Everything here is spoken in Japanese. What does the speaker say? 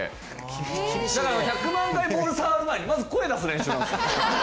だから１００万回ボールを触る前にまず声出す練習なんですよ。